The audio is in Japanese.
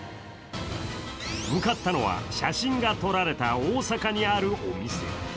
向かったのは写真が撮られた大阪にあるお店。